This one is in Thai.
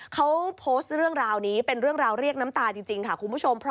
เขาโพสต์เรื่องราวนี้เป็นเรื่องราวเรียกน้ำตาจริงค่ะคุณผู้ชม